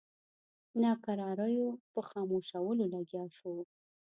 ناکراریو په خاموشولو لګیا شو.